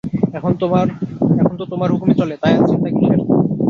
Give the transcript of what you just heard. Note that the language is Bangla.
এখন তো তোমার হুকুমই চলে, তাই আর চিন্তা কীসের?